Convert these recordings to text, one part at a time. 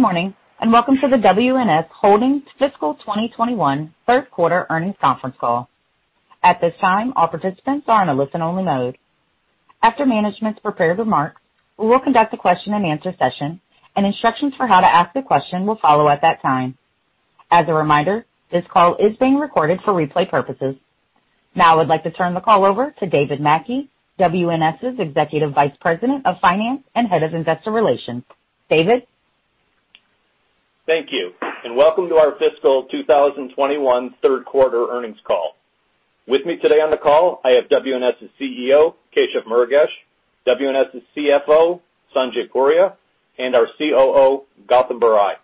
Good morning. Welcome to the WNS Holdings Fiscal 2021 Third Quarter Earnings Conference Call. At this time, all participants are in a listen-only mode. After management's prepared remarks, we will conduct a question and answer session, and instructions for how to ask the question will follow at that time. As a reminder, this call is being recorded for replay purposes. Now I'd like to turn the call over to David Mackey, WNS's Executive Vice President of Finance and Head of Investor Relations. David? Thank you. Welcome to our Fiscal 2021 third quarter earnings call. With me today on the call, I have WNS's CEO, Keshav Murugesh, WNS's CFO, Sanjay Puria, and our COO, Gautam Barai.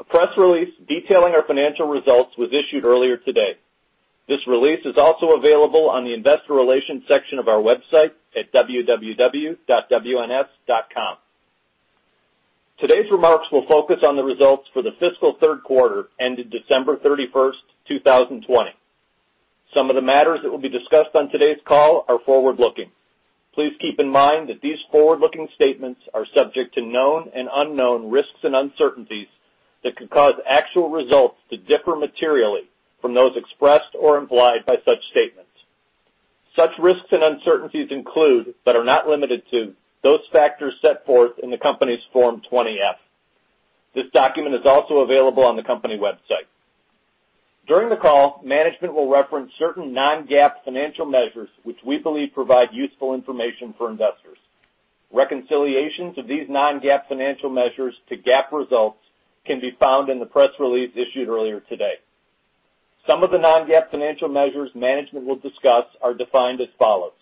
A press release detailing our financial results was issued earlier today. This release is also available on the Investor Relations section of our website at www.wns.com. Today's remarks will focus on the results for the fiscal third quarter ended December 31st, 2020. Some of the matters that will be discussed on today's call are forward-looking. Please keep in mind that these forward-looking statements are subject to known and unknown risks and uncertainties that could cause actual results to differ materially from those expressed or implied by such statements. Such risks and uncertainties include, but are not limited to, those factors set forth in the company's Form 20-F. This document is also available on the company website. During the call, management will reference certain non-GAAP financial measures which we believe provide useful information for investors. Reconciliations of these non-GAAP financial measures to GAAP results can be found in the press release issued earlier today. Some of the non-GAAP financial measures management will discuss are defined as follows: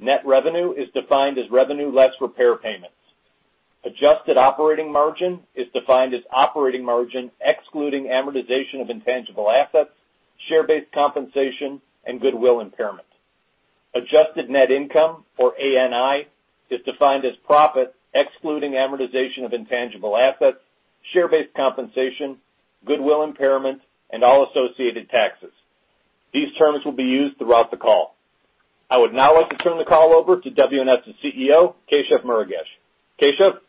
net revenue is defined as revenue less repair payments. Adjusted operating margin is defined as operating margin excluding amortization of intangible assets, share-based compensation and goodwill impairment. Adjusted net income or ANI is defined as profit excluding amortization of intangible assets, share-based compensation, goodwill impairment, and all associated taxes. These terms will be used throughout the call. I would now like to turn the call over to WNS's CEO, Keshav Murugesh. Keshav?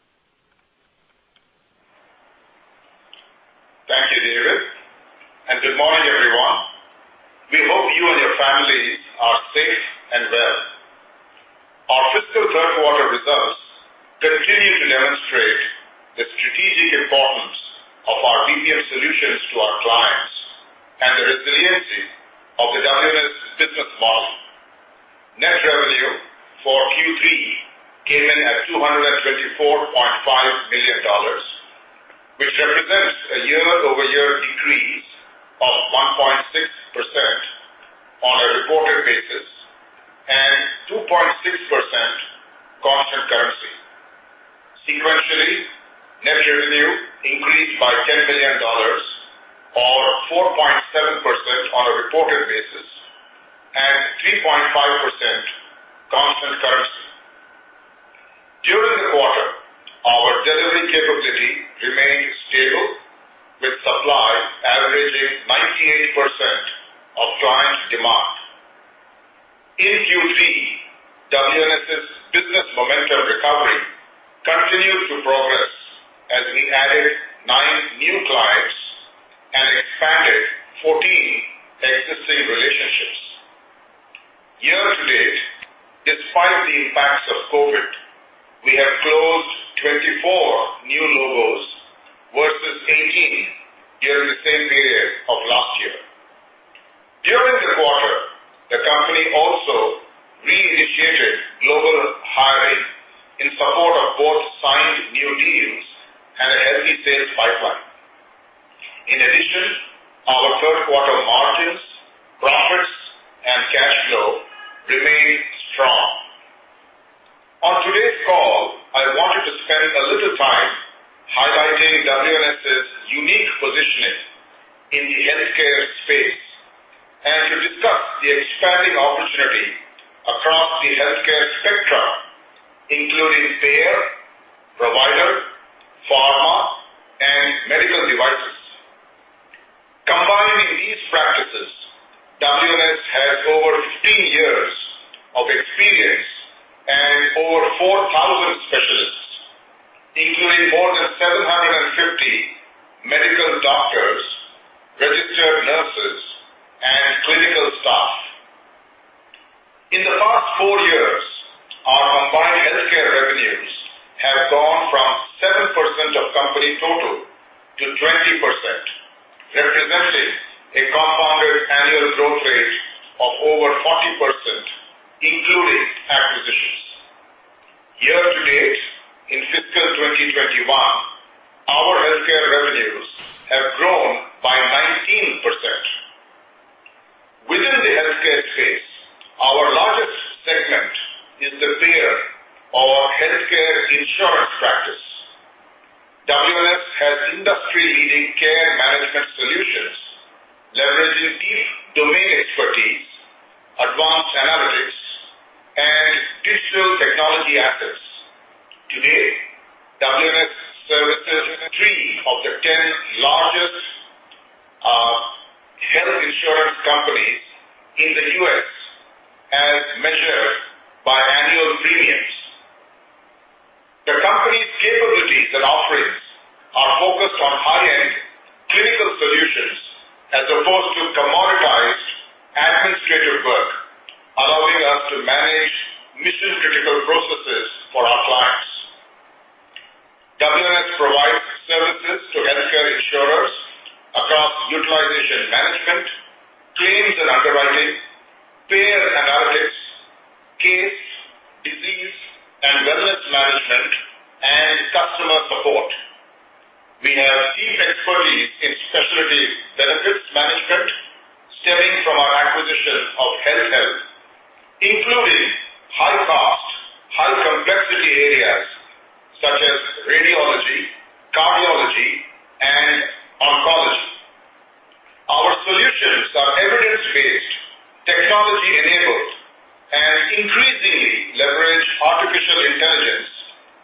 Thank you, David, good morning, everyone. We hope you and your families are safe and well. Our fiscal third quarter results continue to demonstrate the strategic importance of our BPM solutions to our clients and the resiliency of the WNS business model. Net revenue for Q3 came in at $224.5 million, which represents a year-over-year decrease of 1.6% on a reported basis and 2.6% constant currency. Sequentially, net revenue increased by $10 million or 4.7% on a reported basis and 3.5% constant currency. During the quarter, our delivery capability remained stable with supply averaging 98% of clients' demand. In Q3, WNS's business momentum recovery continued to progress as we added nine new clients and expanded 14 existing relationships. Year-to-date, despite the impacts of COVID, we have closed 24 new logos versus 18 during the same period of last year. During the quarter, the company also reinitiated global hiring in support of both signed new deals and a healthy sales pipeline. In addition, our third quarter margins, profits, and cash flow remained strong. On today's call, I wanted to spend a little time highlighting WNS's unique positioning in the healthcare space and to discuss the expanding opportunity across the healthcare spectrum, including payer, provider, pharma, and medical devices. Combining these practices, WNS has over 15 years of experience and over 4,000 specialists, including more than 750 medical doctors, registered nurses, and clinical staff. In the past four years, our combined healthcare revenues have gone from 7% of company total to 20%, representing a compounded annual growth rate of over 40%, including acquisitions. Year-to-date, in fiscal 2021, our healthcare revenues have grown by 19%. Within the healthcare space, our largest segment is the payer or healthcare insurance practice. WNS has industry-leading care management solutions leveraging deep domain expertise, advanced analytics, and digital technology assets. Today, WNS services three of the 10 largest health insurance companies in the U.S., as measured by annual premiums. The company's capabilities and offerings are focused on high-end clinical solutions as opposed to commoditized administrative work, allowing us to manage mission-critical processes for our clients. WNS provides services to healthcare insurers across utilization management, claims and underwriting, payer analytics, case, disease, and wellness management, and customer support. We have deep expertise in specialty benefits management stemming from our acquisition of HealthHelp, including high-cost, high-complexity areas such as radiology, cardiology, and oncology. Our solutions are evidence-based, technology-enabled, and increasingly leverage artificial intelligence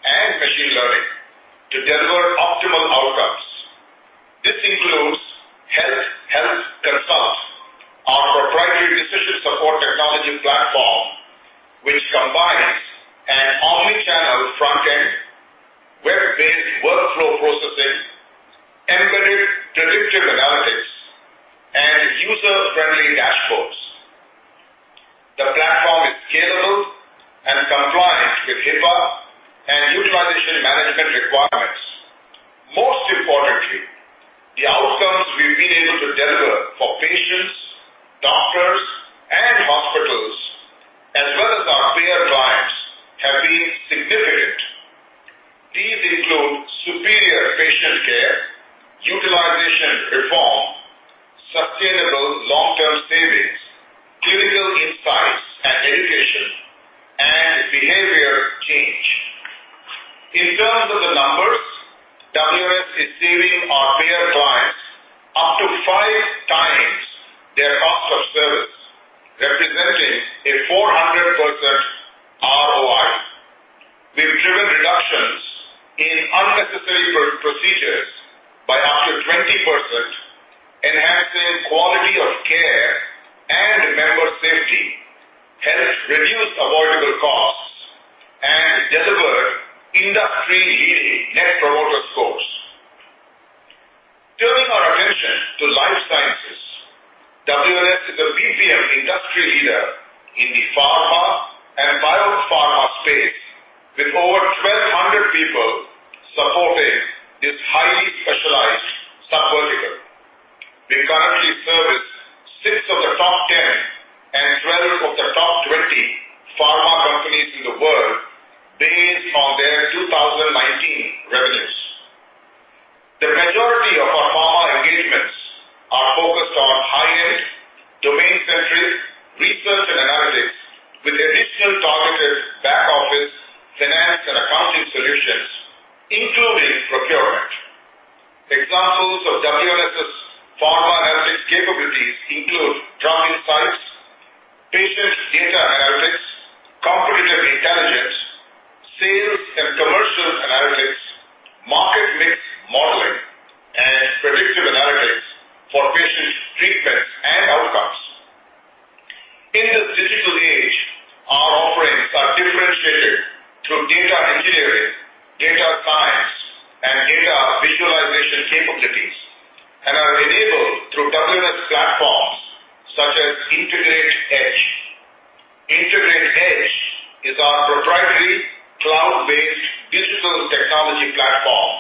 and machine learning to deliver optimal outcomes. This includes HealthHelp Consult, our proprietary decision support technology platform, which combines an omnichannel front-end, web-based workflow processes, embedded predictive analytics, and user-friendly dashboards. The platform is scalable and compliant with HIPAA and utilization management requirements. Most importantly, the outcomes we've been able to deliver for patients, doctors, and hospitals, as well as our payer clients, have been significant. These include superior patient care, utilization reform, sustainable long-term savings, clinical insights and education, and behavior change. In terms of the numbers, WNS is saving our payer clients up to 5x their cost of service, representing a 400% ROI. We've driven reductions in unnecessary procedures by up to 20%, enhancing quality of care and member safety, helped reduce avoidable costs, and delivered industry-leading Net Promoter Scores. Turning our attention to life sciences, WNS is a BPM industry leader in the pharma and biopharma space, with over 1,200 people supporting this highly specialized sub-vertical. We currently service six of the top 10 and 12 of the top 20 pharma companies in the world based on their 2019 revenues. The majority of our pharma engagements are focused on high-end, domain-centric research and analytics with additional targeted back-office finance and accounting solutions, including procurement. Examples of WNS's pharma analytics capabilities include trial insights, patient data analytics, competitive intelligence, sales and commercial analytics, market mix modeling, and predictive analytics for patient treatments and outcomes. In this digital age, our offerings are differentiated through data engineering, data science, and data visualization capabilities, and are enabled through WNS platforms such as Integrate Edge. Integrate Edge is our proprietary cloud-based digital technology platform,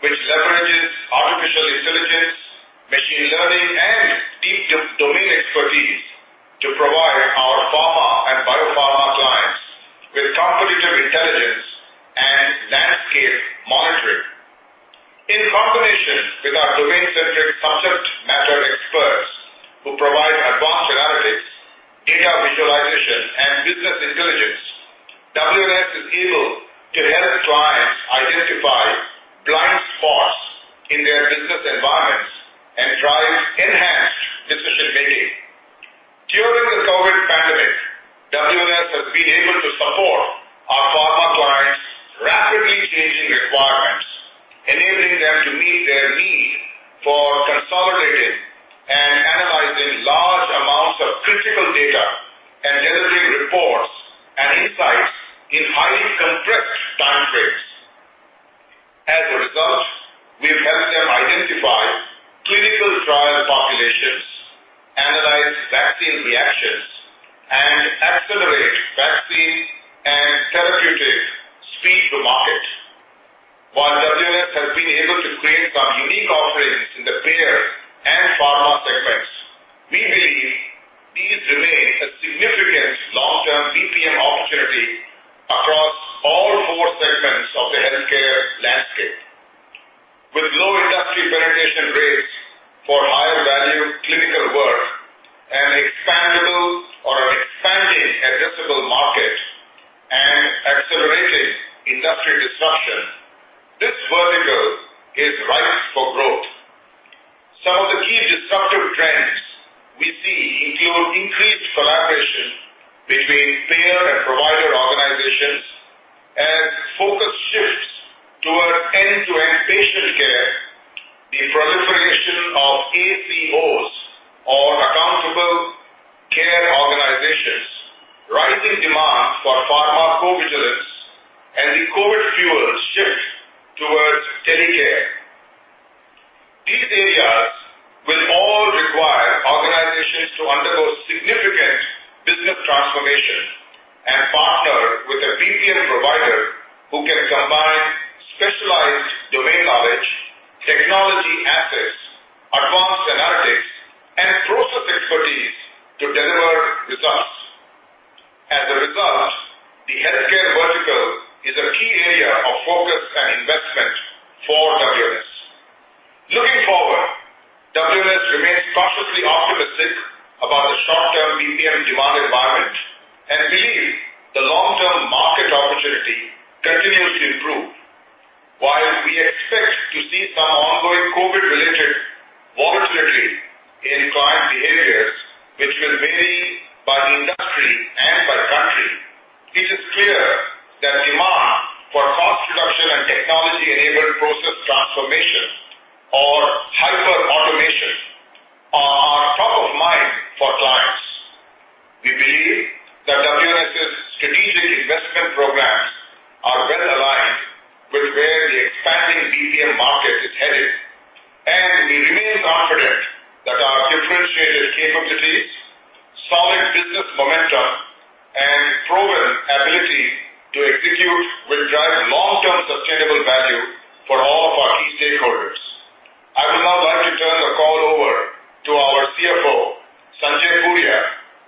which leverages artificial intelligence, machine learning, and deep domain expertise to provide our pharma and biopharma clients with competitive intelligence and landscape monitoring. In combination with our domain-centric subject matter experts who provide advanced analytics, data visualization, and business intelligence, WNS is able to help clients identify blind spots in their business environments and drive enhanced decision-making. During the COVID pandemic, WNS has been able to support our pharma clients' rapidly changing requirements, enabling them to meet their need for consolidating and analyzing large amounts of critical data and delivering reports and insights in highly compressed timeframes. As a result, we've helped them identify clinical trial populations, analyze vaccine reactions, and accelerate vaccine and therapeutic speed to market. While WNS has been able to create some unique offerings in the payer and pharma segments, we believe these remain a significant long-term BPM opportunity across all four segments of the healthcare landscape. With low industry penetration rates for higher-value clinical work, an expandable- or an expanding addressable market, and accelerated industry disruption, this vertical is ripe for growth. Some of the key disruptive trends we see include increased collaboration between payer and provider organizations as focus shifts towards end-to-end care organizations, rising demand for pharmacovigilance, and the COVID-fueled shift towards telecare. These areas will all require organizations to undergo significant business transformation and partner with a BPM provider who can combine specialized domain knowledge, technology assets, advanced analytics, and process expertise to deliver results. As a result, the healthcare vertical is a key area of focus and investment for WNS. Looking forward, WNS remains cautiously optimistic about the short-term BPM demand environment and believe the long-term market opportunity continues to improve. While we expect to see some ongoing COVID-related volatility in client behaviors, which will vary by industry and by country, it is clear that demand for cost reduction and technology-enabled process transformation or hyperautomation are top of mind for clients. We believe that WNS's strategic investment programs are well-aligned with where the expanding BPM market is headed, and we remain confident that our differentiated capabilities, solid business momentum, and proven ability to execute will drive long-term sustainable value for all of our key stakeholders. I would now like to turn the call over to our CFO, Sanjay Puria,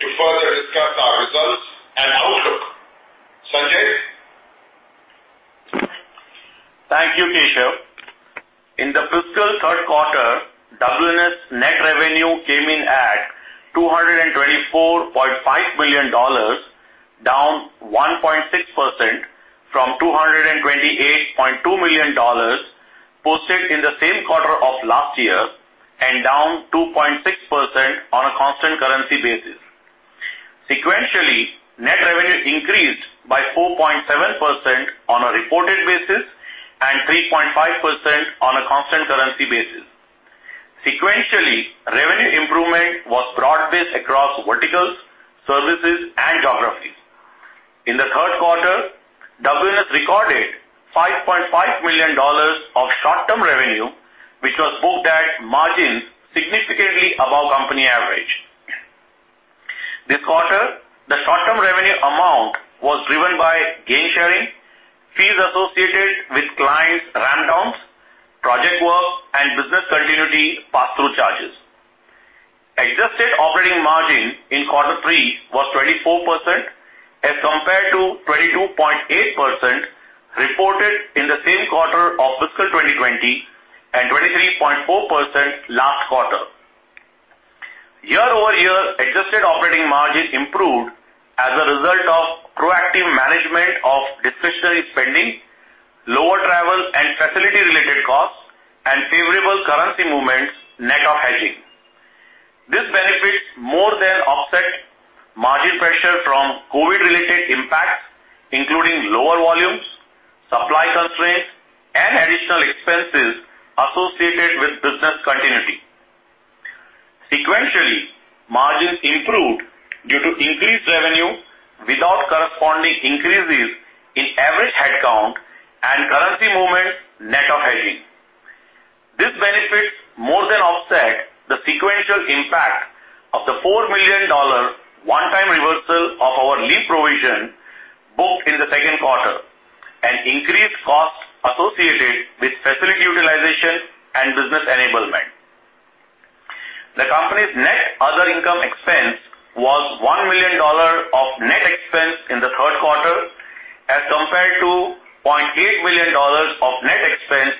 to further discuss our results and outlook. Sanjay? Thank you, Keshav. In the fiscal third quarter, WNS net revenue came in at $224.5 million, down 1.6% from $228.2 million posted in the same quarter of last year, and down 2.6% on a constant currency basis. Sequentially, net revenue increased by 4.7% on a reported basis and 3.5% on a constant currency basis. Sequentially, revenue improvement was broad-based across verticals, services, and geographies. In the third quarter, WNS recorded $5.5 million of short-term revenue, which was booked at margins significantly above company average. This quarter, the short-term revenue amount was driven by gain sharing, fees associated with clients' ramp-downs, project work, and business continuity pass-through charges. Adjusted operating margin in quarter three was 24%, as compared to 22.8% reported in the same quarter of fiscal 2020 and 23.4% last quarter. Year-over-year, adjusted operating margin improved as a result of proactive management of discretionary spending, lower travel and facility-related costs, and favorable currency movements net of hedging. These benefits more than offset margin pressure from COVID-related impacts, including lower volumes, supply constraints, and additional expenses associated with business continuity. Sequentially, margins improved due to increased revenue without corresponding increases in average headcount and currency movement net of hedging. These benefits more than offset the sequential impact of the $4 million one-time reversal of our lease provision booked in the second quarter and increased costs associated with facility utilization and business enablement. The company's net other income expense was $1 million of net expense in the third quarter as compared to $0.8 million of net expense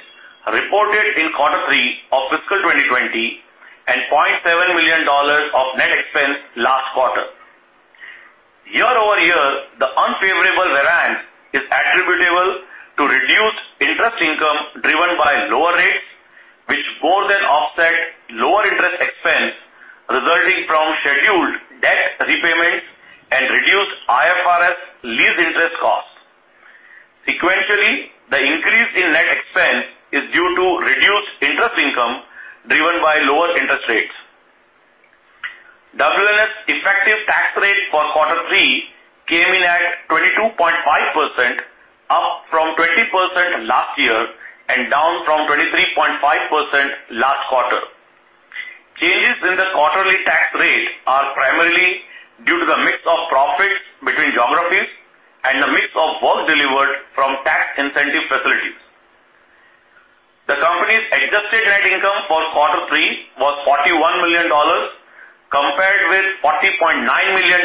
reported in quarter three of fiscal 2020 and $0.7 million of net expense last quarter. Year-over-year, the unfavorable variance is attributable to reduced interest income driven by lower rates, which more than offset lower interest expense resulting from scheduled debt repayments and reduced IFRS lease interest costs. Sequentially, the increase in net expense is due to reduced interest income driven by lower interest rates. WNS effective tax rate for quarter three came in at 22.5%, up from 20% last year and down from 23.5% last quarter. Changes in the quarterly tax rate are primarily due to the mix of profits between geographies and the mix of work delivered from tax incentive facilities. The company's adjusted net income for quarter three was $41 million, compared with $40.9 million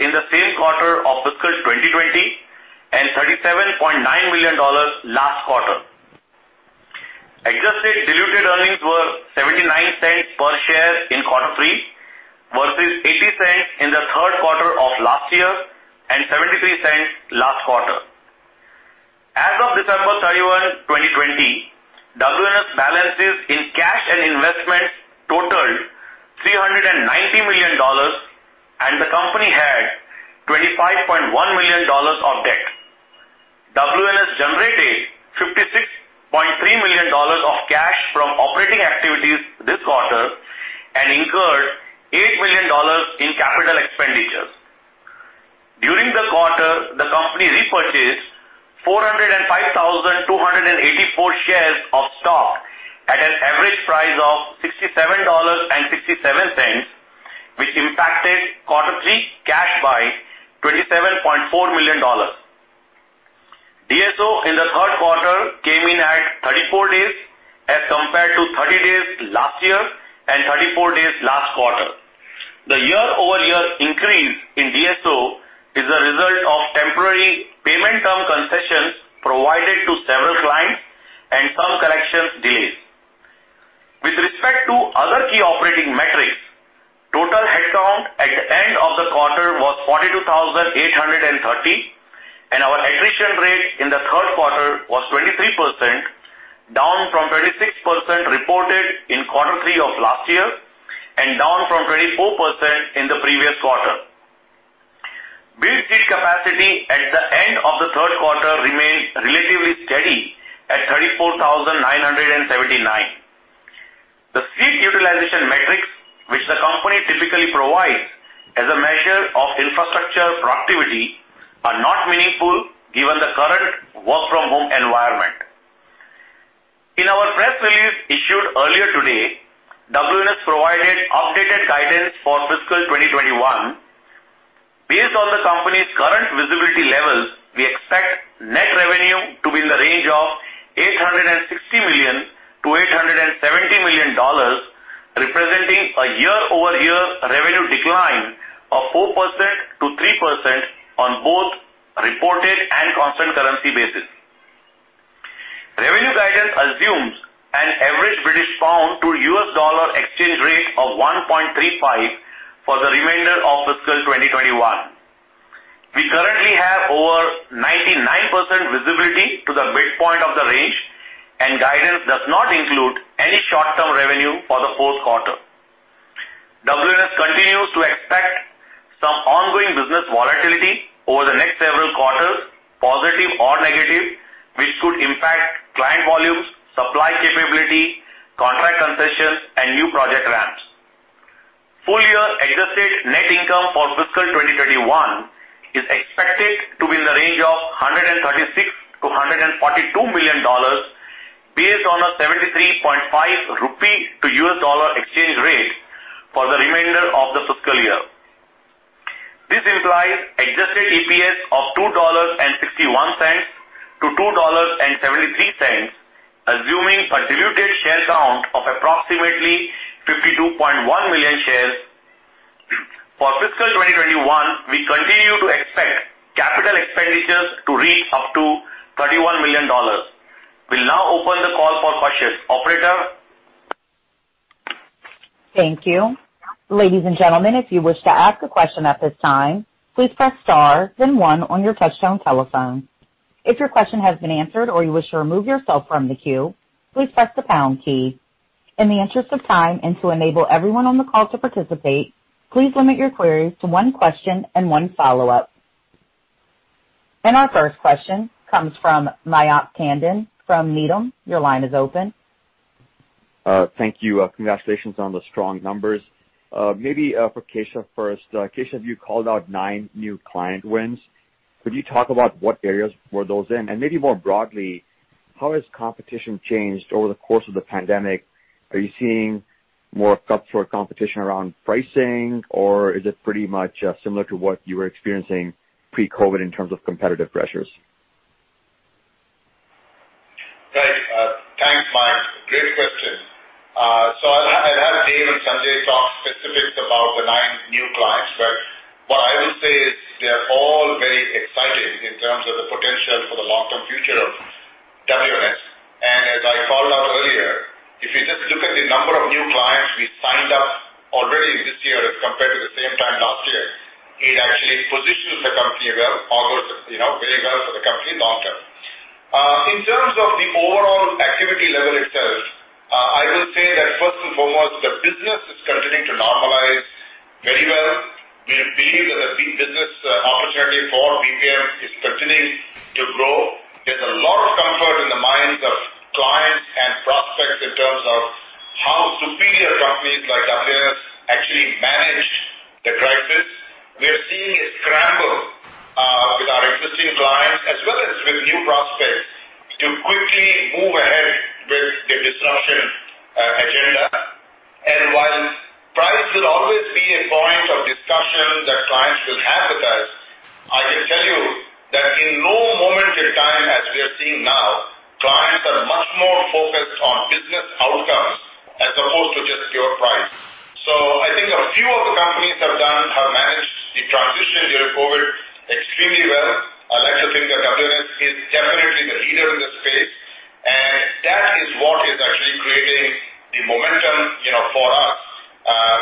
in the same quarter of fiscal 2020 and $37.9 million last quarter. Adjusted diluted earnings were $0.79 per share in quarter three, versus $0.80 in the third quarter of last year and $0.73 last quarter. As of December 31, 2020, WNS balances in cash and investments totaled $390 million, and the company had $25.1 million of debt. WNS generated $56.3 million of cash from operating activities this quarter and incurred $8 million in capital expenditures. During the quarter, the company repurchased 405,284 shares of stock at an average price of $67.67, which impacted quarterly cash by $27.4 million. DSO in the third quarter came in at 34 days as compared to 30 days last year and 34 days last quarter. The year-over-year increase in DSO is a result of temporary payment term concessions provided to several clients and some collections delays. With respect to other key operating metrics, total headcount at the end of the quarter was 42,830, and our attrition rate in the third quarter was 23%, down from 26% reported in quarter three of last year and down from 24% in the previous quarter. Built seat capacity at the end of the third quarter remained relatively steady at 34,979. The seat utilization metrics, which the company typically provides as a measure of infrastructure productivity, are not meaningful given the current work-from-home environment. In our press release issued earlier today, WNS provided updated guidance for fiscal 2021. Based on the company's current visibility levels, we expect net revenue to be in the range of $860 million-$870 million, representing a year-over-year revenue decline of 4%-3% on both reported and constant currency basis. Revenue guidance assumes an average British pound to US dollar exchange rate of 1.35 for the remainder of fiscal 2021. We currently have over 99% visibility to the midpoint of the range, and guidance does not include any short-term revenue for the fourth quarter. WNS continues to expect some ongoing business volatility over the next several quarters, positive or negative, which could impact client volumes, supply capability, contract concessions, and new project ramps. Full-year adjusted net income for fiscal 2021 is expected to be in the range of $136 million-$142 million based on a 73.5 rupee to US dollar exchange rate for the remainder of the fiscal year. This implies adjusted EPS of $2.61-$2.73, assuming a diluted share count of approximately 52.1 million shares. For fiscal 2021, we continue to expect capital expenditures to reach up to $31 million. We will now open the call for questions. Operator? Thank you. Ladies and gentlemen, if you wish to ask a question at this time, please press star then one on your touchtone telephone. If your question has been answered or you wish to remove yourself from the queue, please press the pound key. In the interest of time and to enable everyone on the call to participate, please limit your queries to one question and one follow-up. Our first question comes from Mayank Tandon from Needham. Your line is open. Thank you. Congratulations on the strong numbers. Maybe for Keshav first. Keshav, you called out nine new client wins. Could you talk about what areas were those in? Maybe more broadly, how has competition changed over the course of the pandemic- are you seeing more cutthroat competition around pricing, or is it pretty much similar to what you were experiencing pre-COVID in terms of competitive pressures? Right. Thanks, Mayank. Great question. I'll have Dave and Sanjay talk specifics about the nine new clients, but what I will say is they are all very exciting in terms of the potential for the long-term future of WNS. As I called out earlier, if you just look at the number of new clients we signed up already this year as compared to the same time last year, it actually positions the company well or works very well for the company long term. In terms of the overall activity level itself, I will say that first and foremost, the business is continuing to normalize very well. We believe that the business opportunity for BPM is continuing to grow. There's a lot of comfort in the minds of clients and prospects in terms of how superior companies like WNS actually managed the crisis. We are seeing a scramble, with our existing clients as well as with new prospects, to quickly move ahead with the disruption agenda. While price will always be a point of discussion that clients will have with us, I can tell you that in no moment in time as we are seeing now, clients are much more focused on business outcomes as opposed to just pure price. I think a few of the companies have managed the transition during COVID extremely well. I'd like to think that WNS is definitely the leader in this space, and that is what is actually creating the momentum for us,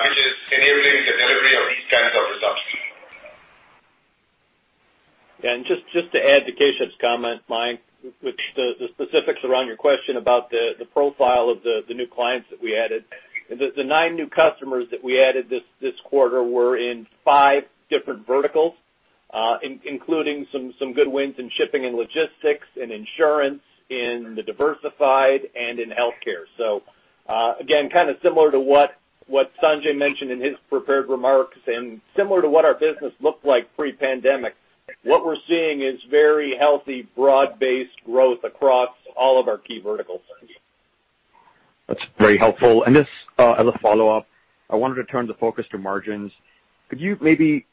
which is enabling the delivery of these kinds of results. Just to add to Keshav's comment, Mayank, the specifics around your question about the profile of the new clients that we added. The nine new customers that we added this quarter were in five different verticals- including some good wins in shipping and logistics, in insurance, in the diversified, and in healthcare. Again, kind of similar to what Sanjay mentioned in his prepared remarks and similar to what our business looked like pre-pandemic, what we're seeing is very healthy, broad-based growth across all of our key verticals. That's very helpful. Just as a follow-up, I wanted to turn the focus to margins. Could you maybe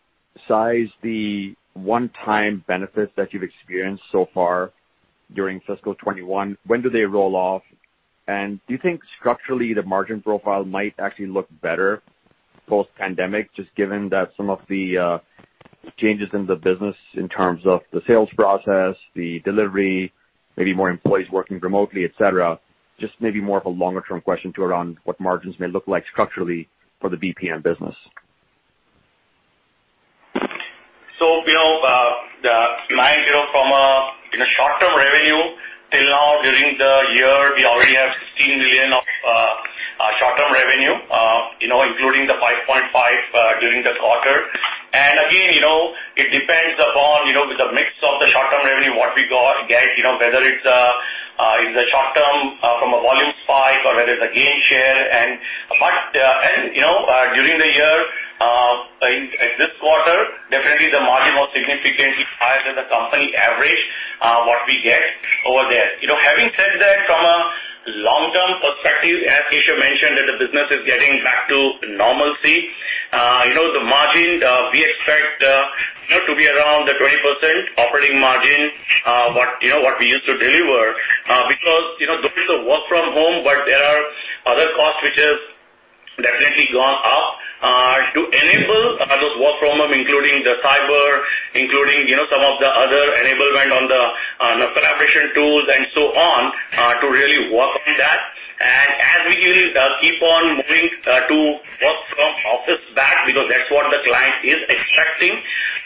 size the one-time benefits that you've experienced so far during fiscal 2021? When do they roll off? Do you think structurally the margin profile might actually look better post-pandemic, just given that some of the changes in the business in terms of the sales process, the delivery, maybe more employees working remotely, et cetera? Just maybe more of a longer-term question too, around what margins may look like structurally for the BPM business? The client, from a short-term revenue till now during the year, we already have $16 million of short-term revenue, including the $5.5 million during the quarter. Again, it depends upon, with the mix of the short-term revenue, what we get, whether it's a short-term from a volume spike or whether it's a gain share. During the year, in this quarter, definitely the margin was significantly higher than the company average, what we get over there. Having said that, from a long-term perspective, as Keshav mentioned, that the business is getting back to normalcy. The margin, we expect to be around the 20% operating margin, what we used to deliver. Those are work from home, but there are other costs which have definitely gone up, to enable those work from home, including the cyber, including some of the other enablement on the collaboration tools and so on, to really work on that. As we keep on moving to work from office back, because that's what the client is expecting,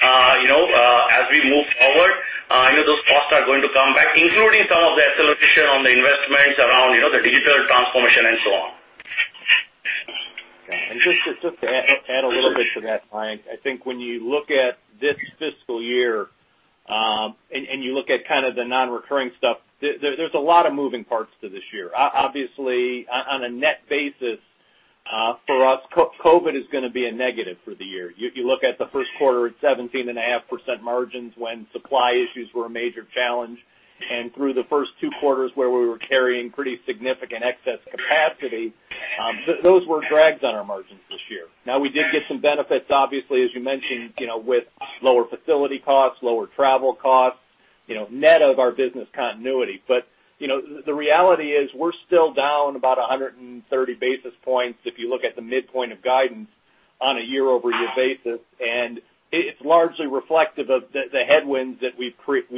as we move forward, those costs are going to come back, including some of the acceleration on the investments around the digital transformation and so on. Yeah. Just to add a little bit to that, Mayank, I think when you look at this fiscal year, and you look at kind of the non-recurring stuff, there's a lot of moving parts to this year. Obviously, on a net basis, for us, COVID is going to be a negative for the year. You look at the first quarter at 17.5% margins when supply issues were a major challenge, and through the first two quarters where we were carrying pretty significant excess capacity, those were drags on our margins this year. We did get some benefits, obviously, as you mentioned, with lower facility costs, lower travel costs, net of our business continuity. The reality is we're still down about 130 basis points if you look at the midpoint of guidance on a year-over-year basis, and it's largely reflective of the headwinds that we've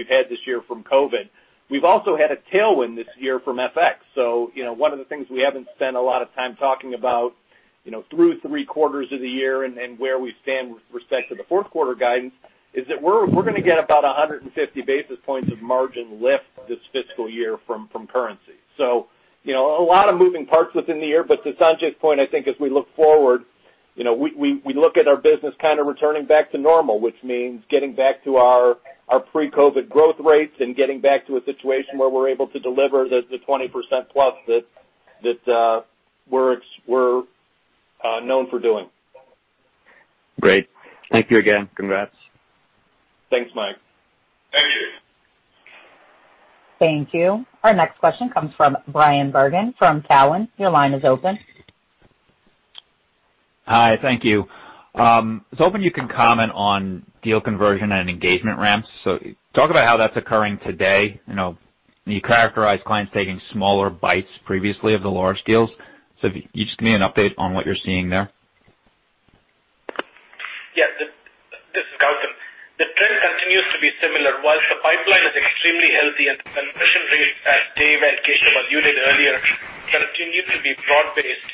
had this year from COVID. We've also had a tailwind this year from FX. One of the things we haven't spent a lot of time talking about, through three quarters of the year and where we stand with respect to the fourth quarter guidance, is that we're going to get about 150 basis points of margin lift this fiscal year from currency. A lot of moving parts within the year, but to Sanjay's point, I think as we look forward, we look at our business kind of returning back to normal, which means getting back to our pre-COVID growth rates and getting back to a situation where we're able to deliver the 20% plus that we're known for doing. Great. Thank you again. Congrats. Thanks, Mayank. Thank you. Thank you. Our next question comes from Bryan Bergin from Cowen. Your line is open. Hi, thank you. I was hoping you can comment on deal conversion and engagement ramps- talk about how that's occurring today. You characterized clients taking smaller bites previously of the large deals. If you just give me an update on what you're seeing there? Yeah. This is Gautam. The trend continues to be similar. Whilst the pipeline is extremely healthy and conversion rates, as Dave and Keshav alluded earlier, continue to be broad-based.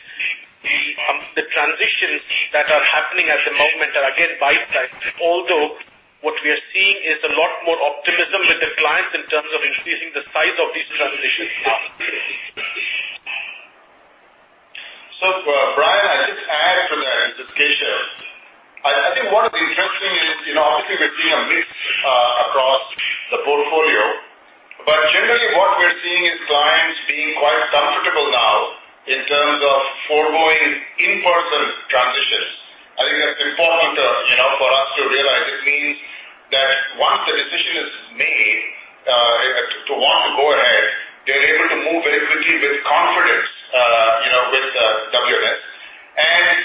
The transitions that are happening at the moment are again, bite-sized. Although, what we are seeing is a lot more optimism with the clients in terms of increasing the size of these transitions now. Bryan, I'll just add to that- this is Keshav. I think what is interesting is, obviously we're seeing a mix across the portfolio. Generally, what we're seeing is clients being quite comfortable now in terms of foregoing in-person transitions. I think that's important for us to realize. It means that once the decision is made to want to go ahead, they're able to move very quickly with confidence with WNS.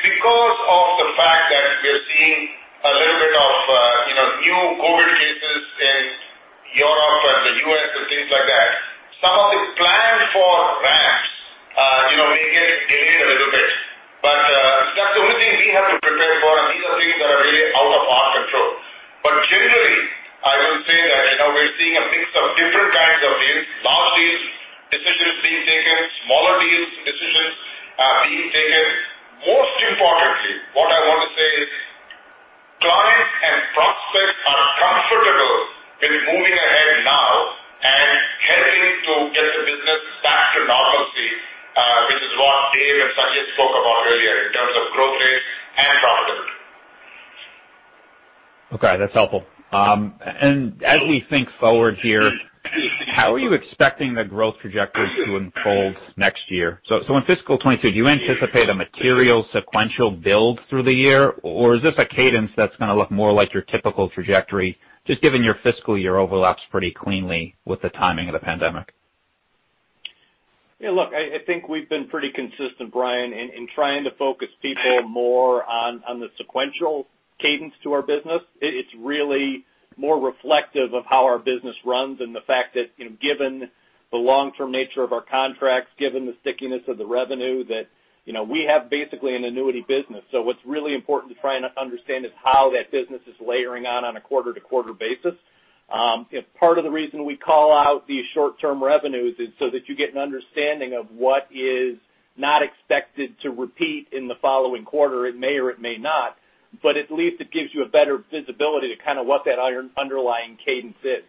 Because of the fact that we are seeing a little bit of new COVID cases in Europe and the U.S. and things like that, some of the plans for ramps may get delayed a little bit. That's the only thing we have to prepare for, and these are things that are really out of our control. Generally, I will say that we're seeing a mix of different kinds of deals, large deals, decisions being taken, smaller deals, decisions being taken. Most importantly, what I want to say is, clients and prospects are comfortable in moving ahead now, and helping to get the business back to normalcy, which is what Dave and Sanjay spoke about earlier in terms of growth rates and profitability. Okay, that's helpful. As we think forward here, how are you expecting the growth trajectory to unfold next year? In fiscal 2022, do you anticipate a material sequential build through the year, or is this a cadence that's going to look more like your typical trajectory, just given your fiscal year overlaps pretty cleanly with the timing of the pandemic? Look, I think we've been pretty consistent, Bryan, in trying to focus people more on the sequential cadence to our business. It's really more reflective of how our business runs and the fact that given the long-term nature of our contracts, given the stickiness of the revenue, that we have basically an annuity business. What's really important to try and understand is how that business is layering on a quarter-to-quarter basis. Part of the reason we call out these short-term revenues is so that you get an understanding of what is not expected to repeat in the following quarter. It may or it may not, but at least it gives you a better visibility to kind of what that underlying cadence is.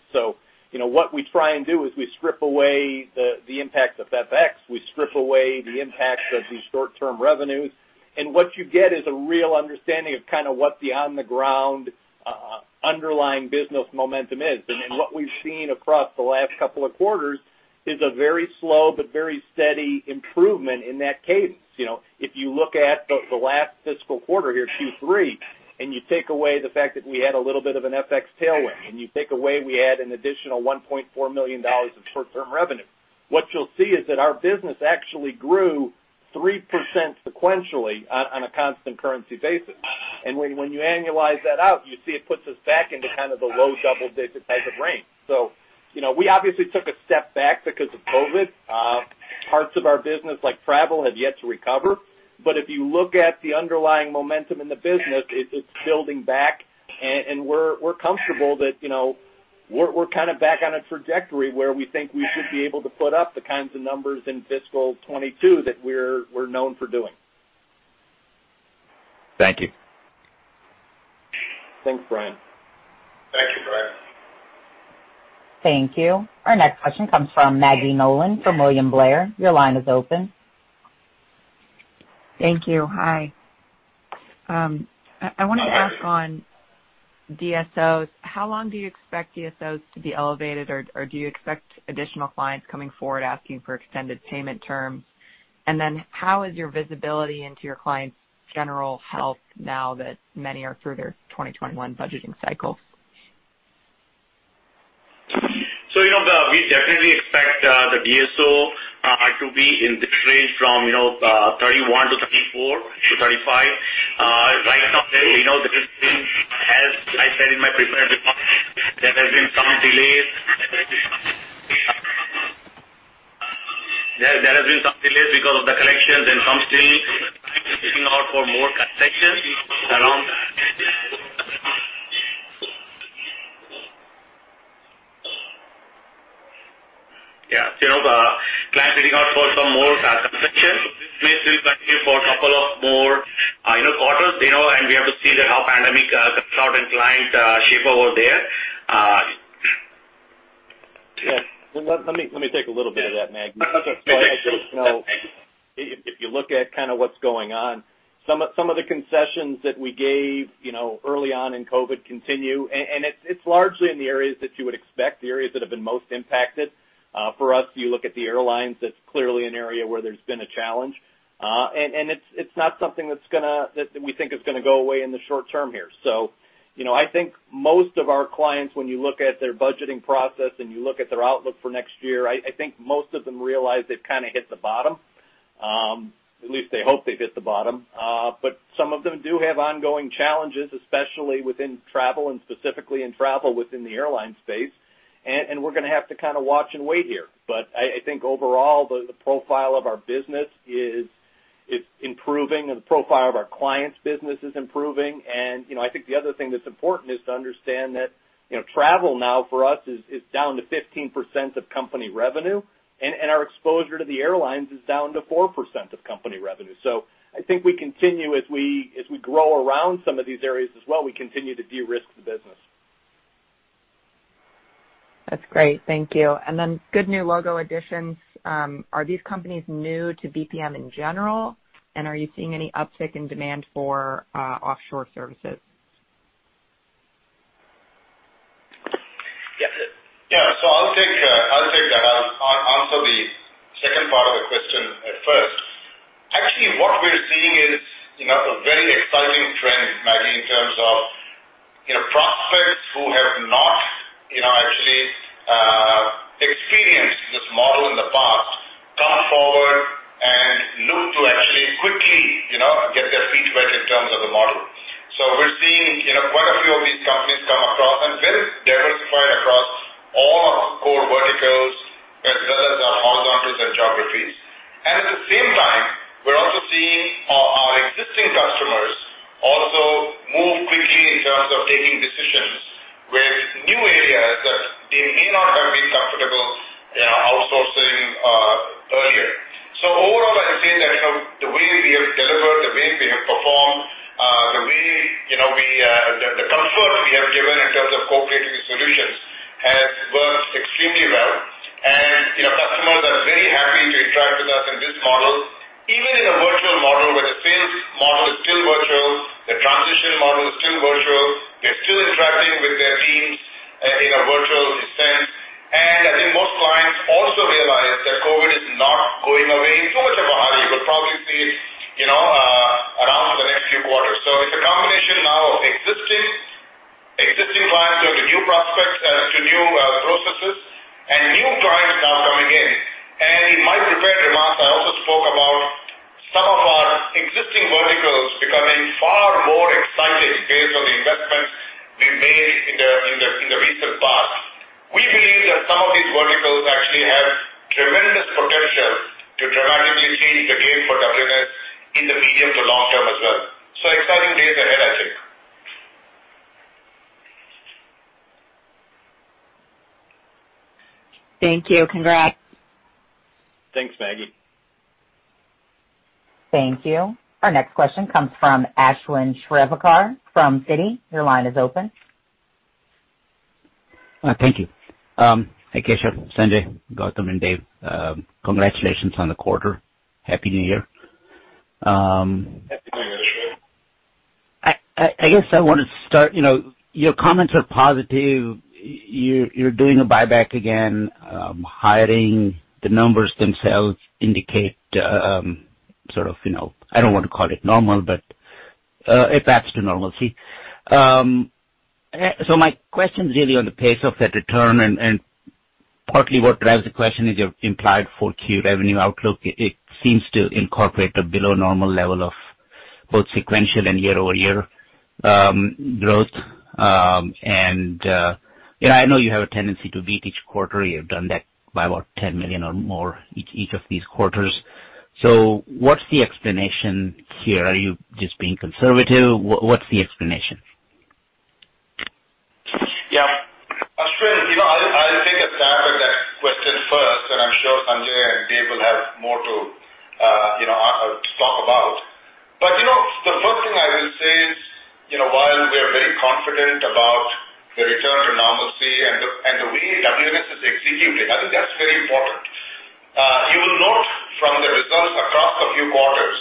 What we try and do is we strip away the impact of FX, we strip away the impact of these short-term revenues, and what you get is a real understanding of kind of what the on-the-ground underlying business momentum is. What we've seen across the last couple of quarters is a very slow but very steady improvement in that cadence. If you look at the last fiscal quarter here, Q3, and you take away the fact that we had a little bit of an FX tailwind, and you take away we had an additional $1.4 million of short-term revenue, what you'll see is that our business actually grew 3% sequentially on a constant currency basis. When you annualize that out, you see it puts us back into kind of the low double-digit type of range. We obviously took a step back because of COVID. Parts of our business, like travel, have yet to recover. If you look at the underlying momentum in the business, it's building back, and we're comfortable that we're kind of back on a trajectory where we think we should be able to put up the kinds of numbers in fiscal 2022 that we're known for doing. Thank you. Thanks, Bryan. Thank you, Bryan. Thank you. Our next question comes from Maggie Nolan from William Blair. Your line is open. Thank you. Hi. I wanted to ask on DSOs, how long do you expect DSOs to be elevated, or do you expect additional clients coming forward asking for extended payment terms? How is your visibility into your clients' general health now that many are through their 2021 budgeting cycles? We definitely expect the DSO to be in the range from 31 to 34 to 35. Right now, as I said in my prepared remarks, there have been some delays. There has been some delays because of the collections and [some, they] sitting out for some more concessions. This will continue for a couple of more quarters, and we have to see how pandemic cuts out and clients shape over there. Yeah. Let me take a little bit of that, Maggie. I think if you look at kind of what's going on, some of the concessions that we gave early on in COVID continue, and it's largely in the areas that you would expect, the areas that have been most impacted. For us, you look at the airlines, that's clearly an area where there's been a challenge. It's not something that we think is going to go away in the short term here. I think most of our clients, when you look at their budgeting process and you look at their outlook for next year, I think most of them realize they've kind of hit the bottom. At least they hope they've hit the bottom. Some of them do have ongoing challenges, especially within travel and specifically in travel within the airline space. We're going to have to kind of watch and wait here. I think overall, the profile of our business is improving, and the profile of our clients' business is improving. I think the other thing that's important is to understand that travel now for us is down to 15% of company revenue, and our exposure to the airlines is down to 4% of company revenue. I think we continue as we grow around some of these areas as well, we continue to de-risk the business. That's great. Thank you. Good new logo additions. Are these companies new to BPM in general, and are you seeing any uptick in demand for offshore services? Yeah. I'll take that. I'll answer the second part of the question at first. Actually, what we're seeing is a very exciting trend, Maggie, in terms of prospects who have not actually experienced this model in the past, come forward and look to actually quickly get their feet wet in terms of the model. We're seeing quite a few of these companies come across and very diversified across all our core verticals as well as our horizontals and geographies. At the same time, we're also seeing our existing customers also move quickly in terms of taking decisions with new areas that they may not have been comfortable outsourcing earlier. Overall, we have performed. The comfort we have given in terms of co-creating solutions has worked extremely well, and customers are very happy to interact with us in this model. Even in a virtual model, where the sales model is still virtual, the transition model is still virtual. They're still interacting with their teams in a virtual sense. I think most clients also realize that COVID is not going away too much of a hurry. We'll probably see it around for the next few quarters. It's a combination now of existing clients going to new prospects, to new processes, and new clients now coming in. In my prepared remarks, I also spoke about some of our existing verticals becoming far more exciting based on the investments we made in the recent past. We believe that some of these verticals actually have tremendous potential to dramatically change the game for WNS in the medium to long term as well. Exciting days ahead, I think. Thank you. Congrats. Thanks, Maggie. Thank you. Our next question comes from Ashwin Shirvaikar from Citi. Your line is open. Thank you. Hi, Keshav, Sanjay, Gautam, and Dave. Congratulations on the quarter. Happy New Year. Happy New Year. I guess I wanted to start- your comments are positive. You're doing a buyback again, hiring. The numbers themselves indicate sort of, I don't want to call it normal, but a path to normalcy. My question is really on the pace of that return, and partly what drives the question is your implied 4Q revenue outlook. It seems to incorporate a below normal level of both sequential and year-over-year growth. I know you have a tendency to beat each quarter. You've done that by about $10 million or more each of these quarters. What's the explanation here? Are you just being conservative? What's the explanation? Ashwin, I'll take a stab at that question first, and I'm sure Sanjay and Dave will have more to talk about. The first thing I will say is, while we are very confident about the return to normalcy and the way WNS is executing, I think that's very important. You will note from the results across a few quarters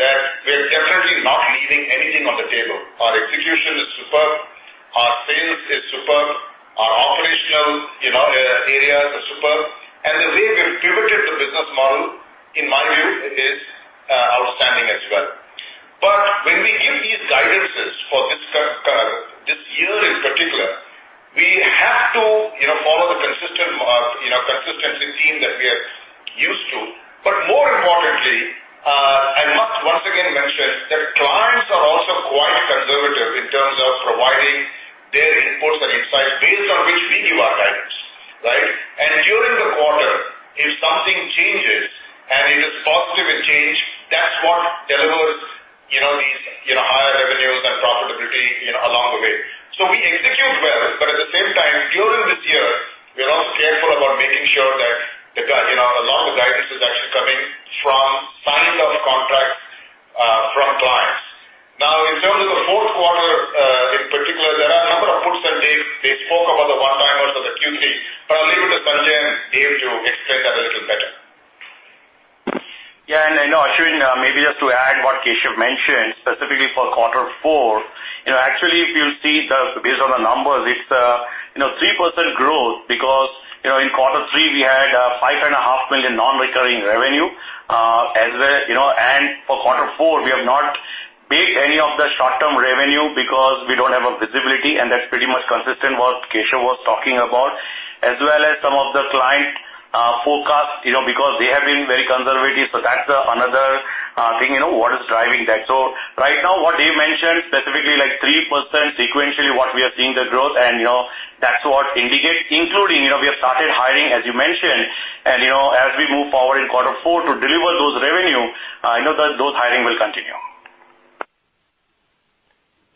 that we're definitely not leaving anything on the table. Our execution is superb. Our sales is superb. Our operational areas are superb. The way we've pivoted the business model, in my view, is outstanding as well. When we give these guidances for this year in particular, we have to follow the consistency theme that we are used to. More importantly, I must once again mention that clients are also quite conservative in terms of providing their inputs and insights based on which we give our guidance, right? During the quarter, if something changes, and it is positive change, that's what delivers these higher revenues and profitability along the way. We execute well, but at the same time, during this year, we are also careful about making sure that a lot of the guidance is actually coming from signing of contracts from clients. In terms of the fourth quarter, in particular, there are a number of puts that Dave spoke about the one-timers of the Q3, but I'll leave it to Sanjay and Dave to explain that a little better. Yeah. Ashwin, maybe just to add what Keshav mentioned, specifically for quarter four, actually, if you see based on the numbers, it's 3% growth because in quarter three, we had $5.5 million non-recurring revenue. For quarter four, we have not baked any of the short-term revenue because we don't have a visibility, and that's pretty much consistent what Keshav was talking about. As well as some of the client forecasts, because they have been very conservative. That's another thing, what is driving that. Right now, what Dave mentioned specifically, 3% sequentially, what we are seeing the growth and that's what indicates, including, we have started hiring, as you mentioned, and as we move forward in quarter four to deliver those revenue, I know that those hiring will continue.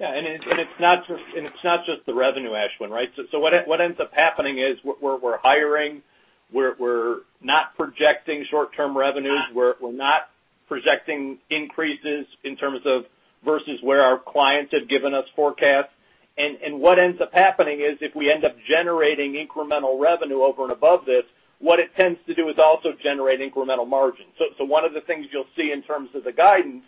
Yeah. It's not just the revenue, Ashwin, right? What ends up happening is we're hiring, we're not projecting short-term revenues. We're not projecting increases in terms of versus where our clients have given us forecasts. What ends up happening is if we end up generating incremental revenue over and above this, what it tends to do is also generate incremental margin. One of the things you'll see in terms of the guidance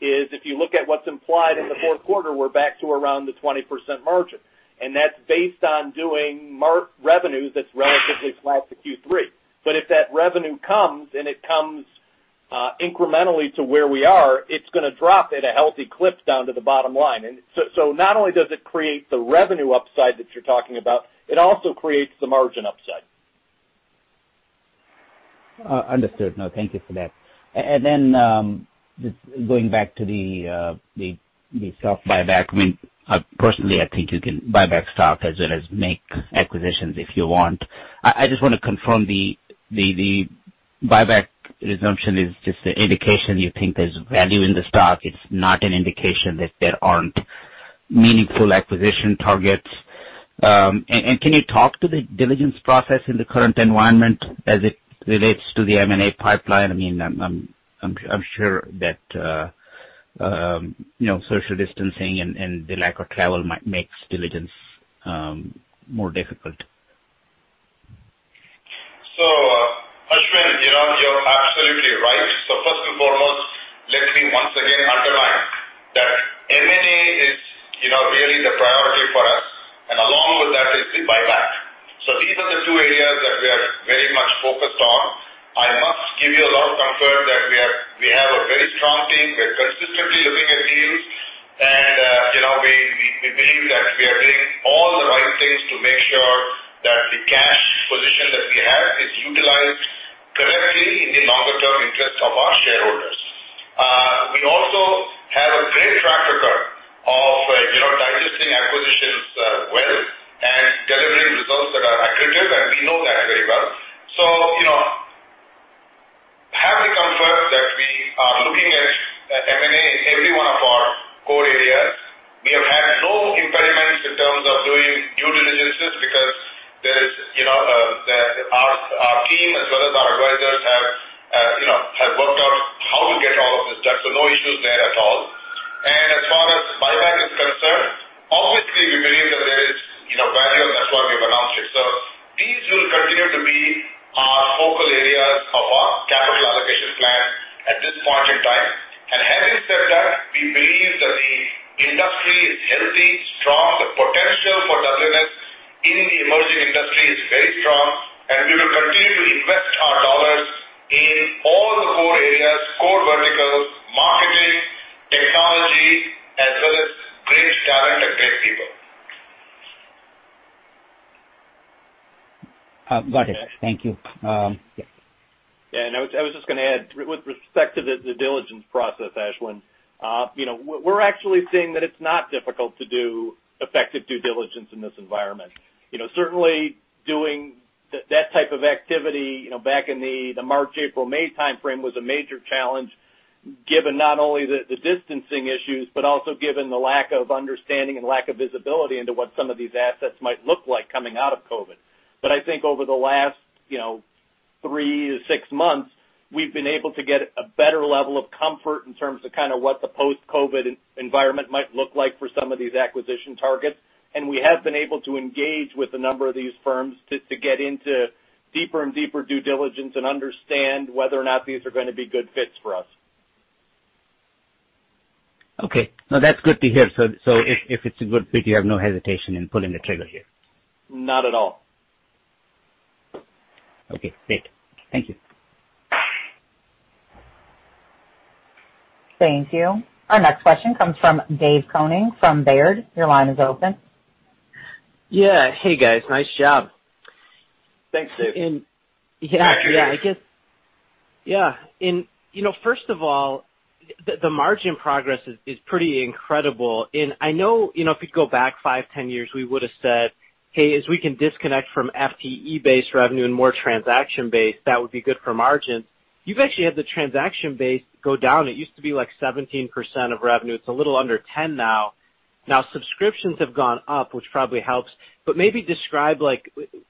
is if you look at what's implied in the fourth quarter, we're back to around the 20% margin, and that's based on doing revenues that's relatively flat to Q3. If that revenue comes, and it comes incrementally to where we are, it's going to drop at a healthy clip down to the bottom line. Not only does it create the revenue upside that you're talking about, it also creates the margin upside. Understood. No, thank you for that. Then, going back to the stock buyback, personally, I think you can buy back stock as well as make acquisitions if you want. I just want to confirm the buyback resumption is just an indication you think there's value in the stock. It's not an indication that there aren't meaningful acquisition targets. Can you talk to the diligence process in the current environment as it relates to the M&A pipeline? I'm sure that social distancing and the lack of travel might make diligence more difficult. Ashwin, you know, you're absolutely right. First and foremost, let me once again underline that M&A is really the priority for us and along with that is the buyback. These are the two areas that we are very much focused on. I must give you a lot of comfort that we have a very strong team. We're consistently looking at deals and we believe that we are doing all the right things to make sure that the cash position that we have is utilized correctly in the longer term interest of our shareholders. We also have a great track record of digesting acquisitions well and delivering results that are accretive, and we know that very well. Have the comfort that we are looking at M&A in every one of our core areas. We have had no impediments in terms of doing due diligences because our team, as well as our advisors have worked out how to get all of this done. No issues there at all. As far as buyback is concerned, obviously we believe that there is value. That's why we have announced it. These will continue to be our focal areas of our capital allocation plan at this point in time. Having said that, we believe that the industry is healthy, strong. The potential for double digits in the emerging industry is very strong, and we will continue to invest our dollars in all the core areas, core verticals- marketing, technology, as well as great talent and great people. Got it. Thank you. Yeah. I was just going to add, with respect to the diligence process, Ashwin- we're actually seeing that it's not difficult to do effective due diligence in this environment. Certainly doing that type of activity back in the March, April, May timeframe was a major challenge, given not only the distancing issues, but also given the lack of understanding and lack of visibility into what some of these assets might look like coming out of COVID. I think over the last three to six months, we've been able to get a better level of comfort in terms of what the post-COVID environment might look like for some of these acquisition targets. We have been able to engage with a number of these firms to get into deeper and deeper due diligence and understand whether or not these are going to be good fits for us. Okay. No, that's good to hear. If it's a good fit, you have no hesitation in pulling the trigger here? Not at all. Okay, great. Thank you. Thank you. Our next question comes from Dave Koning from Baird. Your line is open. Yeah. Hey, guys. Nice job. Thanks, Dave. First of all, the margin progress is pretty incredible. I know, if you go back five, 10 years, we would have said, "Hey, as we can disconnect from FTE-based revenue and more transaction-based, that would be good for margins." You've actually had the transaction base go down. It used to be like 17% of revenue. It's a little under 10 now. Now, subscriptions have gone up, which probably helps. Maybe describe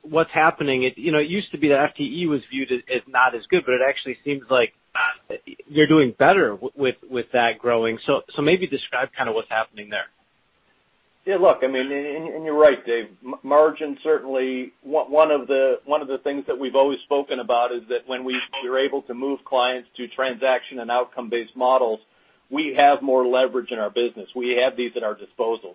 what's happening. It used to be that FTE was viewed as not as good, but it actually seems like you're doing better with that growing. Maybe describe what's happening there. Yeah, look, you're right, Dave. Margin, certainly one of the things that we've always spoken about is that when we are able to move clients to transaction and outcome-based models, we have more leverage in our business. We have these at our disposal.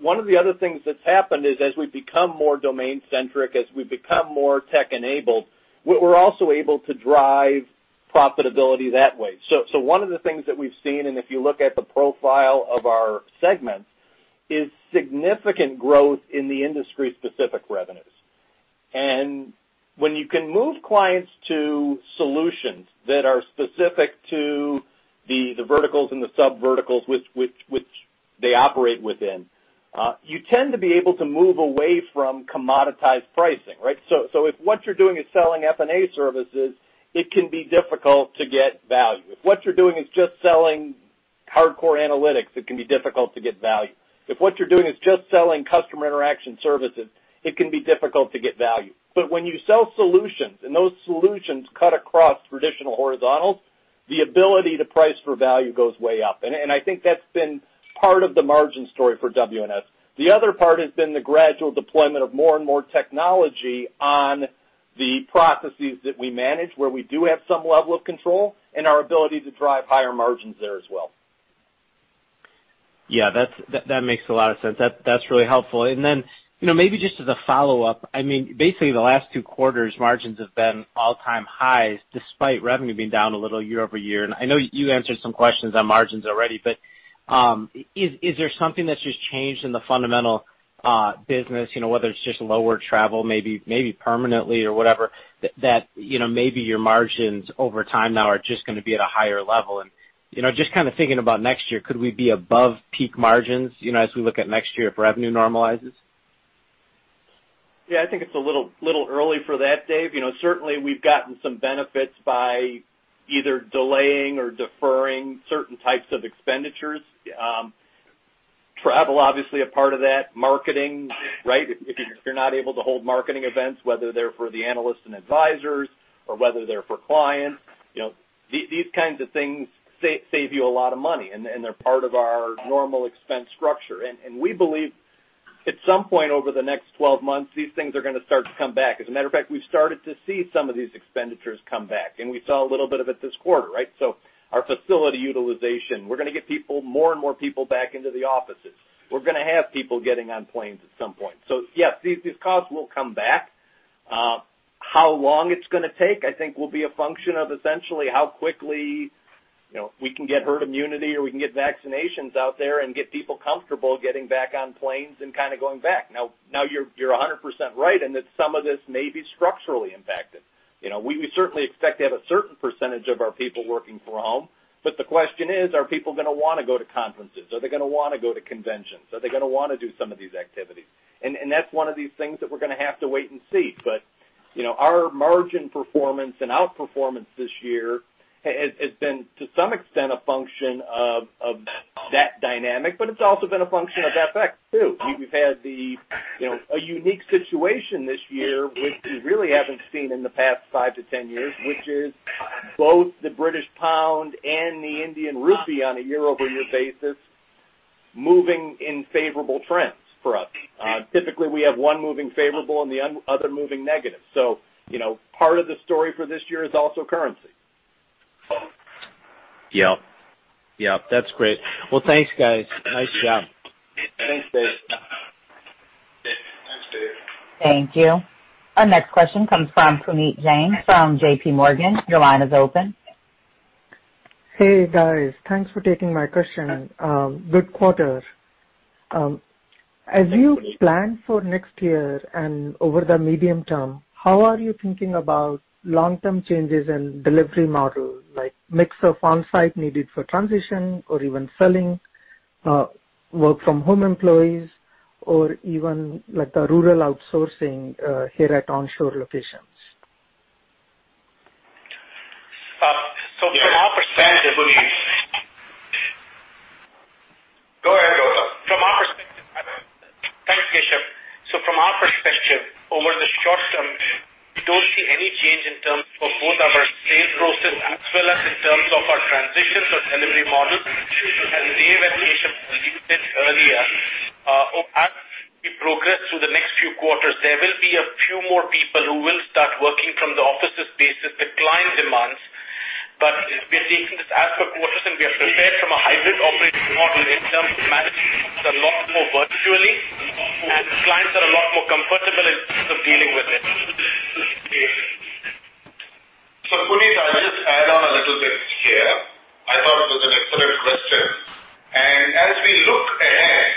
One of the other things that's happened is as we become more domain centric, as we become more tech enabled, we're also able to drive profitability that way. One of the things that we've seen, and if you look at the profile of our segments, is significant growth in the industry specific revenues. When you can move clients to solutions that are specific to the verticals and the sub verticals which they operate within, you tend to be able to move away from commoditized pricing, right? If what you're doing is selling F&A services, it can be difficult to get value. If what you're doing is just selling hardcore analytics, it can be difficult to get value. If what you're doing is just selling customer interaction services, it can be difficult to get value. When you sell solutions and those solutions cut across traditional horizontals, the ability to price for value goes way up. I think that's been part of the margin story for WNS. The other part has been the gradual deployment of more and more technology on the processes that we manage, where we do have some level of control and our ability to drive higher margins there as well. Yeah, that makes a lot of sense. That's really helpful. Then maybe just as a follow-up, basically the last two quarters margins have been all-time highs despite revenue being down a little year-over-year. I know you answered some questions on margins already, but is there something that's just changed in the fundamental business, whether it's just lower travel maybe permanently or whatever, that maybe your margins over time now are just going to be at a higher level? Just kind of thinking about next year, could we be above peak margins as we look at next year if revenue normalizes? Yeah, I think it's a little early for that, Dave. Certainly, we've gotten some benefits by either delaying or deferring certain types of expenditures. Travel, obviously, a part of that. Marketing, right? If you're not able to hold marketing events, whether they're for the analysts and advisors or whether they're for clients, these kinds of things save you a lot of money, and they're part of our normal expense structure. We believe at some point over the next 12 months, these things are going to start to come back. As a matter of fact, we've started to see some of these expenditures come back, and we saw a little bit of it this quarter, right? Our facility utilization, we're going to get more and more people back into the offices. We're going to have people getting on planes at some point. Yes, these costs will come back. How long it's going to take, I think, will be a function of essentially how quickly we can get herd immunity, or we can get vaccinations out there and get people comfortable getting back on planes and kind of going back. You're 100% right in that some of this may be structurally impacted. We certainly expect to have a certain percentage of our people working from home. The question is, are people going to want to go to conferences? Are they going to want to go to conventions? Are they going to want to do some of these activities? That's one of these things that we're going to have to wait and see. Our margin performance and outperformance this year has been, to some extent, a function of that dynamic, but it's also been a function of FX too. We've had a unique situation this year, which we really haven't seen in the past five to 10 years, which is both the British pound and the Indian rupee on a year-over-year basis moving in favorable trends for us. Typically, we have one moving favorable and the other moving negative. Part of the story for this year is also currency. Yep. That's great. Well, thanks, guys. Nice job. Thanks, Dave. Thanks, Dave. Thank you. Our next question comes from Puneet Jain from JPMorgan. Your line is open. Hey, guys. Thanks for taking my question. Good quarter. As you plan for next year and over the medium term, how are you thinking about long-term changes in delivery model, like mix of on-site needed for transition or even selling work-from-home employees or even the rural outsourcing here at onshore locations? So from our perspective- Go ahead, Gautam. Thanks, Keshav. From our perspective, over the short term, we don't see any change in terms of both our sales process as well as in terms of our transitions or delivery models. Dave and Keshav alluded earlier, as we progress through the next few quarters, there will be a few more people who will start working from the offices based on the client demands. We are taking this as per quarters, and we are prepared from a hybrid operating model in terms of managing a lot more virtually, and clients are a lot more comfortable in terms of dealing with it. Puneet, I'll just add on a little bit here. I thought it was an excellent question. As we look ahead,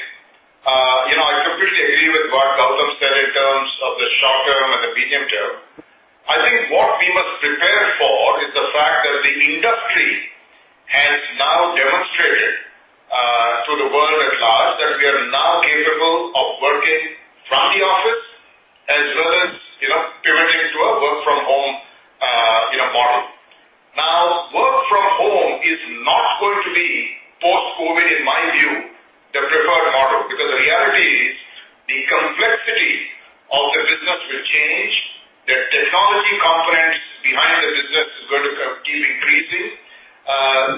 I completely agree with what Gautam said in terms of the short term and the medium term. I think what we must prepare for is the fact that the industry has now demonstrated to the world at large that we are now capable of working from the office as well as pivoting to a work-from-home model. Now, work from home is not going to be post-COVID, in my view, the preferred model, because the reality is the complexity of the business will change. The technology components behind the business is going to keep increasing.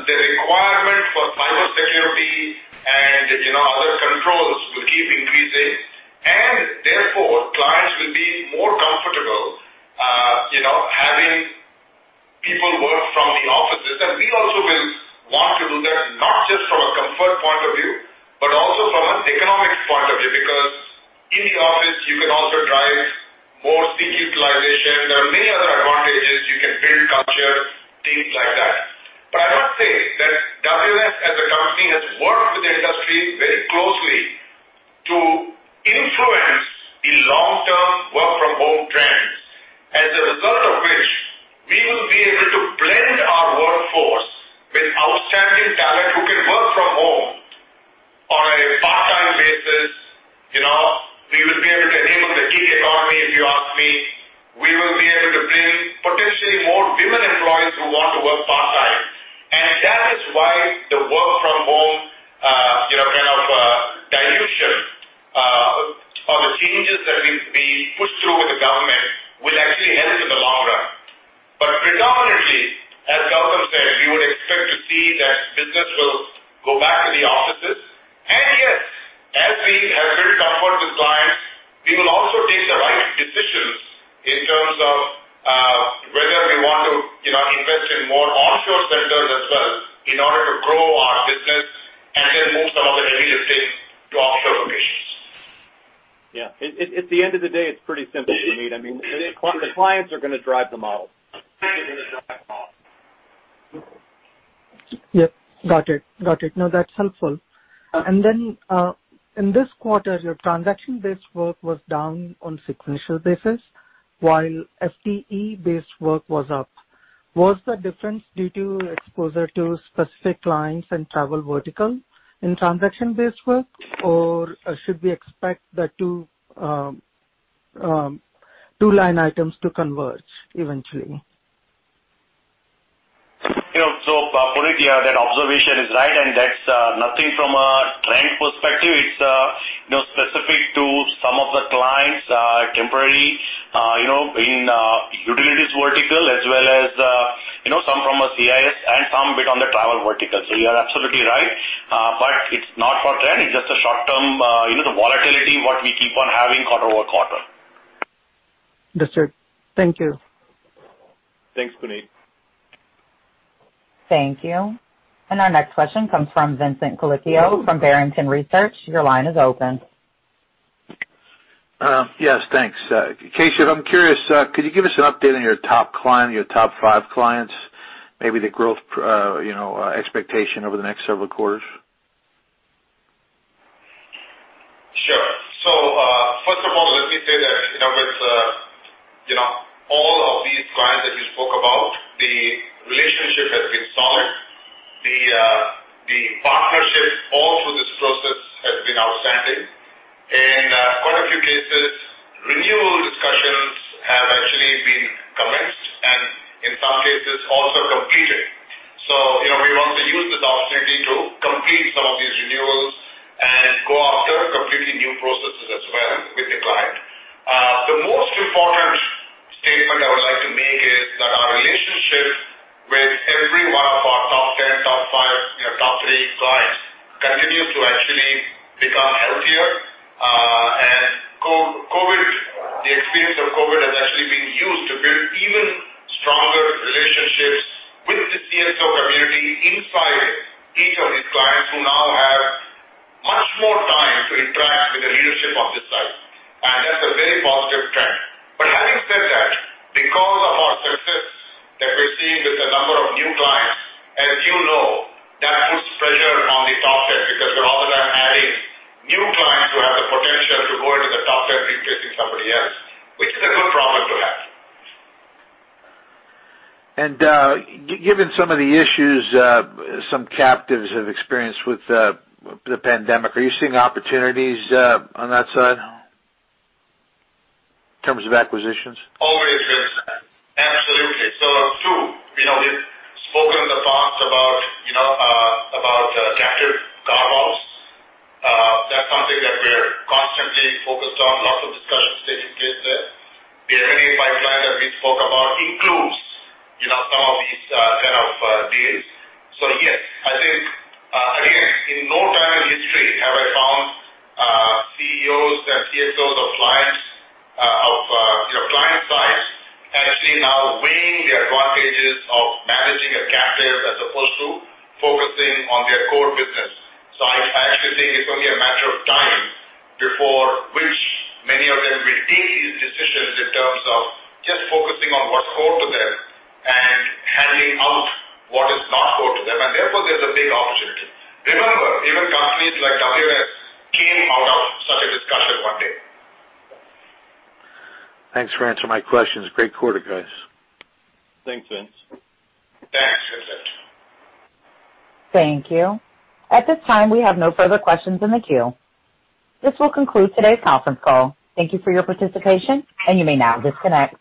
The requirement for cybersecurity and other controls will keep increasing, and therefore, clients will be more comfortable having people work from the offices. We also will want to do that not just from a comfort point of view, but also from an economics point of view, because in the office, you can also drive more seat utilization. There are many other advantages. You can build culture, things like that. I must say that WNS as a company has worked with the industry very closely to influence the long-term work-from-home trends, as a result of which we will be able to blend our workforce with outstanding talent who can work from home on a part-time basis. We will be able to enable the gig economy, if you ask me. We will be able to bring potentially more women employees who want to work part-time. That is why the work-from-home kind of dilution of the changes that we've been pushed through with the government will actually help in the long run. Predominantly, as Gautam said, we would expect to see that business will go back to the offices. Yes, as we have built comfort with clients, we will also take the right decisions in terms of whether we want to invest in more offshore centers as well in order to grow our business and then move some of the readiness to offshore locations. Yeah. At the end of the day, it's pretty simple, Puneet. The clients are going to drive the model. Yep, got it. No, that's helpful. Then in this quarter, your transaction-based work was down on a sequential basis while FTE-based work was up. Was the difference due to exposure to specific clients and travel vertical in transaction-based work? Should we expect the two line items to converge eventually? Puneet, that observation is right, and that's nothing from a trend perspective. It's specific to some of the clients temporary in utilities vertical as well as some from a CIS and some bit on the travel vertical. You are absolutely right. It's not for trend, it's just a short-term, the volatility what we keep on having quarter-over-quarter. Understood. Thank you. Thanks, Puneet. Thank you. Our next question comes from Vincent Colicchio from Barrington Research. Your line is open. Yes, thanks. Keshav, I'm curious, could you give us an update on your top client, your top five clients, maybe the growth expectation over the next several quarters? Sure. First of all, let me say that with all of these clients that you spoke about, the relationship has been solid. The partnership all through this process has been outstanding. In quite a few cases, renewal discussions have actually been commenced and in some cases also completed. We want to use this opportunity to complete some of these renewals and go after completely new processes as well with the client. The most important statement I would like to make is that our relationships with every one of our top 10, top five, top three clients continue to actually become healthier. The experience of COVID has actually been used to build even stronger relationships with the CSO community inside each of these clients who now have much more time to interact with the leadership of this size. That's a very positive trend. Having said that, because of our success that we're seeing with a number of new clients, as you know, that puts pressure on the top 10 because we're all the time adding new clients who have the potential to go into the top 10, replacing somebody else, which is a good problem to have. Given some of the issues some captives have experienced with the pandemic, are you seeing opportunities on that side in terms of acquisitions? Always, Vincent. Absolutely. Two, we've spoken in the past about captive carve-outs. That's something that we're constantly focused on, lots of discussions taking place there. The M&A pipeline that we spoke about includes some of these kind of deals. Yes, I think in no time in history have I found CEOs and CSOs of client sites actually now weighing the advantages of managing a captive as opposed to focusing on their core business. I actually think it's only a matter of time before which many of them will take these decisions in terms of just focusing on what's core to them and handing out what is not core to them. Therefore, there's a big opportunity. Remember, even companies like WNS came out of such a discussion one day. Thanks for answering my questions. Great quarter, guys. Thanks, Vince. Thanks, Vincent. Thank you. At this time, we have no further questions in the queue. This will conclude today's conference call. Thank you for your participation, and you may now disconnect.